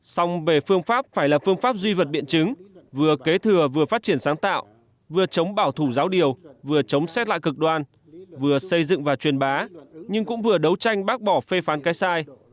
xong về phương pháp phải là phương pháp duy vật biện chứng vừa kế thừa vừa phát triển sáng tạo vừa chống bảo thủ giáo điều vừa chống xét lại cực đoan vừa xây dựng và truyền bá nhưng cũng vừa đấu tranh bác bỏ phê phán cái sai